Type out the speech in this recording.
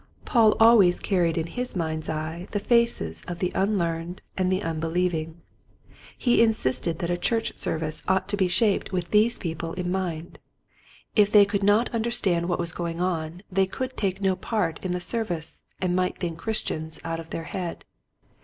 Paul always carried in his mind's eye the faces of the unlearned and the unbelieving. He insisted that a church service ought to be shaped with Selfishness. 103 these people in mind. If they could not understand what was going on they could take no part in the service and might think Christians out of their head.